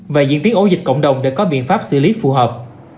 và diễn biến ổ dịch cộng đồng để có biện pháp xử lý phù hợp